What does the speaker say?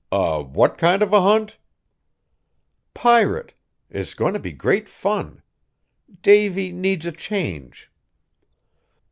"A what kind of a hunt?" "Pirate. It's going to be great fun. Davy needs a change."